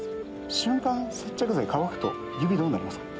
瞬間接着剤乾くと指どうなりますか？